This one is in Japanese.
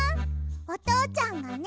おとうちゃんがね